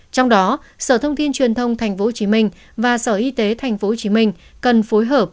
trong đó sở thông tin truyền thông tp hcm và sở y tế tp hcm cần phối hợp